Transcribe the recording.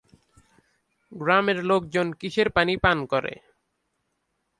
গ্রামের লোকজন কিসের পানি পান করে?